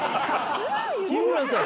日村さん